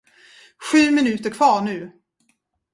Sju minuter kvar nu!